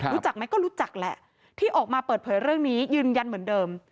รู้จักไหมก็รู้จักแหละที่ออกมาเปิดเผยเรื่องนี้ยืนยันเหมือนเดิม